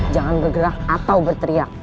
jangan bergerak atau berteriak